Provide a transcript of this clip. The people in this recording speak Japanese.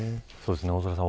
大空さん